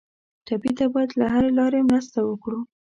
ټپي ته باید له هرې لارې مرسته وکړو.